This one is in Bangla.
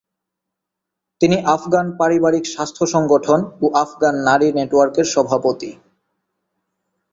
তিনি আফগান পারিবারিক স্বাস্থ্য সংগঠন ও আফগান নারী নেটওয়ার্কের সভাপতি।